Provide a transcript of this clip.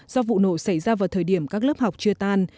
do vụ nổ xảy ra vào thời điểm các lớp học chưa tan